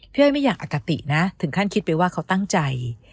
เพื่อให้ไม่อยากอากาศตินะถึงขั้นคิดไปว่าเขาตั้งใจ